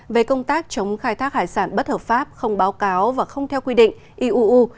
về công tác chống khai thác hải sản bất hợp pháp không báo cáo và không theo quy định iuu